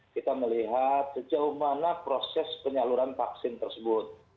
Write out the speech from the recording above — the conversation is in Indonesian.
kita melihat sejauh mana proses penyaluran vaksin tersebut